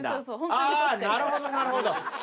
なるほどなるほど。